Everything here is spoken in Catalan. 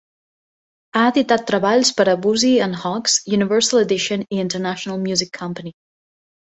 Ha editat treballs per a Boosey and Hawkes, Universal Edition i International Music Company.